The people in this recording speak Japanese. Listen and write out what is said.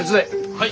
はい！